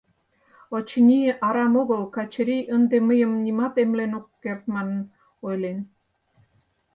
— Очыни, арам огыл Качырий «ынде мыйым нимат эмлен ок керт» манын ойлен.